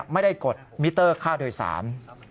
ไม่ได้กดมิเตอร์ค่าโดยสาร